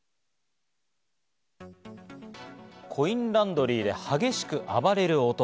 コインランドリーで激しく暴れる男。